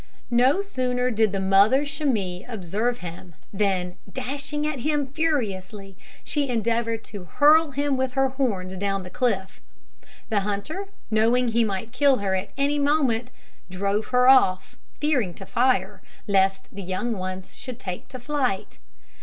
No sooner did the mother chamois observe him, than, dashing at him furiously, she endeavoured to hurl him with her horns down the cliff. The hunter, knowing that he might kill her at any moment, drove her off, fearing to fire, lest the young ones should take to flight.